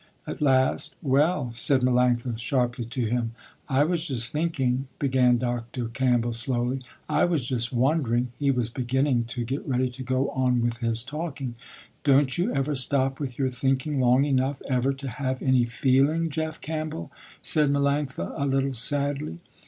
At last, "Well," said Melanctha sharply to him. "I was just thinking" began Dr. Campbell slowly, "I was just wondering," he was beginning to get ready to go on with his talking. "Don't you ever stop with your thinking long enough ever to have any feeling Jeff Campbell," said Melanctha a little sadly.